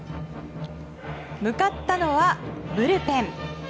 向かったのは、ブルペン。